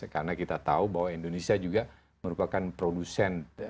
karena kita tahu bahwa indonesia juga merupakan program yang sangat berkembang